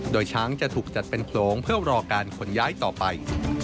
โดยช้างจะถูกจัดเป็นโขลงเพื่อรอการขนย้ายต่อไป